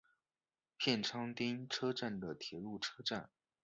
片仓町车站的铁路车站。